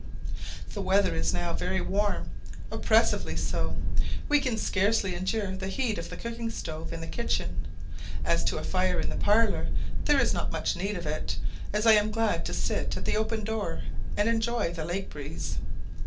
The weather is now very warm oppressively so. We can scarcely endure the heat of the cooking stove in the kitchen. As to a fire in the parlour there is not much need of it, as I am glad to sit at the open door and enjoy the lake breeze.